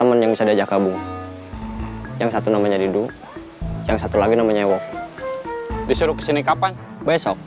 orang lain gak banyak uang kita banyak masalah